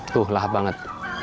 tuh lahap banget